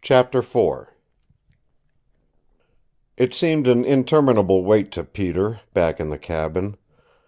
CHAPTER IV It seemed an interminable wait to Peter, back in the cabin.